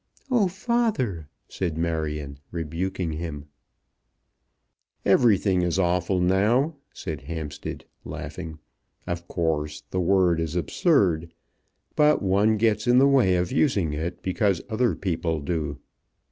"Oh, father!" said Marion, rebuking him. "Everything is awful now," said Hampstead, laughing. "Of course the word is absurd, but one gets in the way of using it because other people do."